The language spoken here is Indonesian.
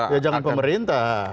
ya jangan pemerintah